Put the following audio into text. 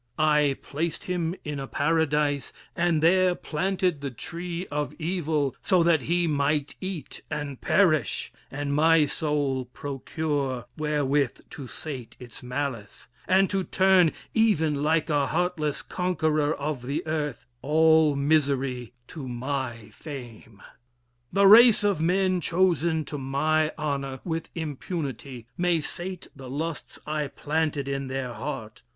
I placed him in a paradise, and there Planted the tree of evil, so that he Might eat and perish, and my soul procure Wherewith to sate its malice, and to turn, Even like a heartless conqueror of the earth, All misery to my fame. The race of men, Chosen to my honor, with impunity, May sate the lusts I planted in their heart.